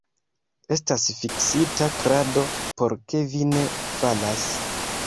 Estas fiksita krado, por ke vi ne falas!